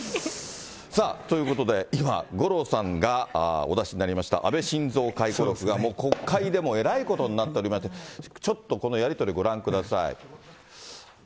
さあ、ということで、今、五郎さんがお出しになりました、安倍晋三回顧録が国会でもえらいことになっておりまして、ちょっとこのやり取り、ご覧ください。